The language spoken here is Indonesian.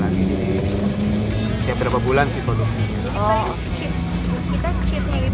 jadi setiap berapa bulan sih produksi